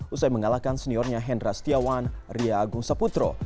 usai mengalahkan seniornya hendra setiawan ria agung saputro